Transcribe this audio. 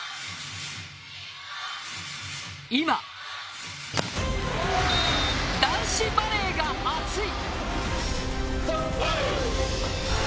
今、男子バレーが熱い！